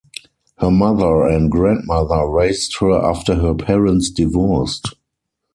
Her mother and grandmother raised her after her parents divorced.